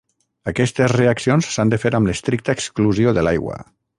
Aquestes reaccions s'han de fer amb l'estricta exclusió de l'aigua.